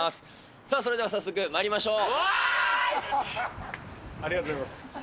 さあ、それでは早速まいりましょおーい！